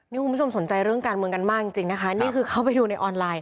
นี่คุณผู้ชมสนใจเรื่องการเมืองกันมากจริงนะคะนี่คือเข้าไปดูในออนไลน์